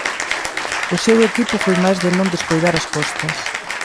O seu equipo foi máis de non descoidar as costas.